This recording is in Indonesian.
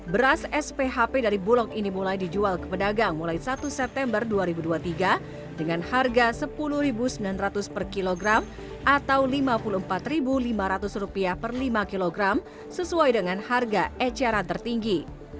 beras sphp dari bulog ini mulai dijual ke pedagang mulai satu september dua ribu dua puluh tiga dengan harga rp sepuluh sembilan ratus per kilogram atau rp lima puluh empat lima ratus per lima kg sesuai dengan harga eceran tertinggi